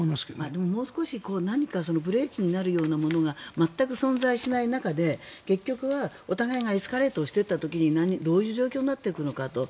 でももう少し何かブレーキになるようなものが全く存在しない中でお互いがエスカレートしていった時にどういう状況になっていくのかと。